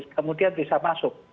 kemudian bisa masuk